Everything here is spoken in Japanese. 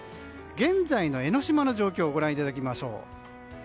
現在の江の島の状況をご覧いただきましょう。